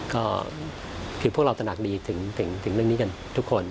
ก็คือพวกเราตนักดีถึงเรื่องนี้กันทุกคน